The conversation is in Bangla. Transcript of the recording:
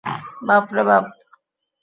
বাপ রে বাপ।